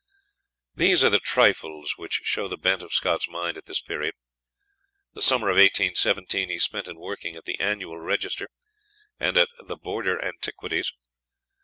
These are the trifles which show the bent of Scott's mind at this period. The summer of 1817 he spent in working at the "Annual Register" and at the "Border Antiquities."